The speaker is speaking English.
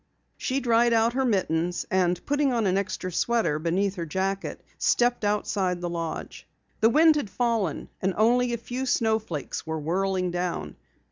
She dried out her mittens, and putting on an extra sweater beneath her jacket, stepped outside the lodge. The wind had fallen and only a few snowflakes were whirling down.